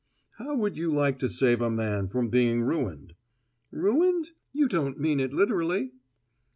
"How would you like to save a man from being ruined?" "Ruined? You don't mean it literally?"